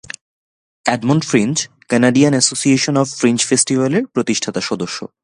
Edmonton fringe Canadian association of fringe ফেস্টিভালের প্রতিষ্ঠাতা সদস্য।